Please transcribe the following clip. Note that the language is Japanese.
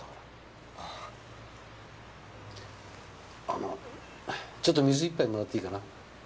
あのちょっと水１杯もらっていいかな？